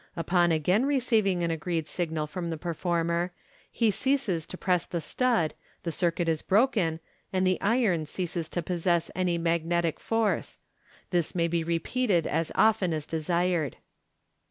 Upon again receiving an agreed signal from the performer, he ceases to press the stud, the circuit is broken, and the iron ceases to possess any magnetic force. This may be repeated as often as desired.